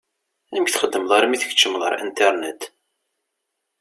Amek txeddmeḍ armi tkeččmeḍ ɣer Internet?